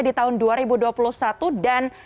di tahun dua ribu dua puluh satu dan